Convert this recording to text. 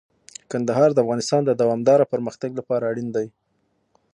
کندهار د افغانستان د دوامداره پرمختګ لپاره اړین دي.